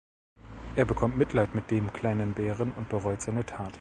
Er bekommt Mitleid mit dem kleinen Bären und bereut seine Tat.